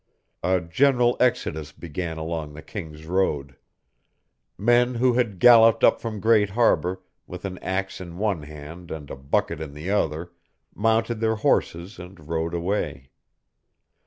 A general exodus began along the King's Road. Men who had galloped up from Great Harbor, with an ax in one hand and a bucket in the other, mounted their horses and rode away.